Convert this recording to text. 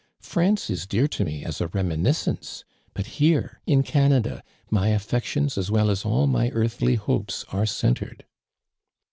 Franre is dear to me as a reminiscence, but here, in < 'anada, my affections as well as all my earthly hopes are centred